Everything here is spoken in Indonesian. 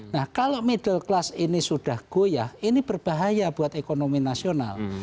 nah kalau middle class ini sudah goyah ini berbahaya buat ekonomi nasional